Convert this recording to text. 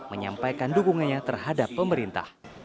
menyampaikan dukungannya terhadap pemerintah